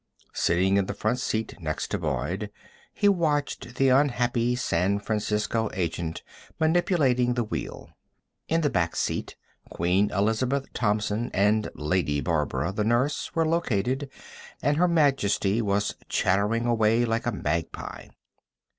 Sitting in the front seat next to Boyd, he watched the unhappy San Francisco agent manipulating the wheel. In the back seat, Queen Elizabeth Thompson and Lady Barbara, the nurse, were located, and Her Majesty was chattering away like a magpie.